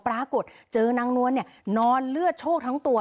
ปรากฏเจอนางนวลนอนเลือดโชคทั้งตัว